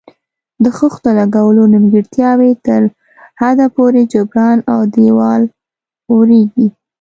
د خښتو لګولو نیمګړتیاوې تر حده پورې جبران او دېوال اواریږي.